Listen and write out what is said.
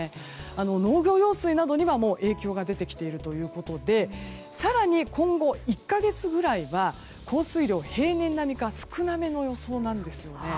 農業用水などに影響が出てきているということで更に今後１か月ぐらいは降水量が平年並みか少なめの予想なんですね。